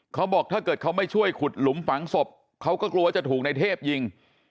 เขาบอกถ้าเกิดเขาไม่ช่วยขุดหลุมฝังศพเขาก็กลัวจะถูกในเทพยิง